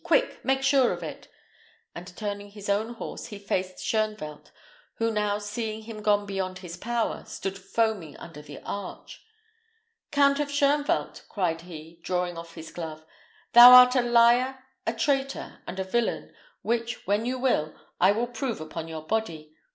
"Quick! Make sure of it;" and turning his own horse, he faced Shoenvelt, who now seeing him gone beyond his power, stood foaming under the arch. "Count of Shoenvelt!" cried he, drawing off his glove, "thou art a liar, a traitor, and a villain, which, when you will, I will prove upon your body.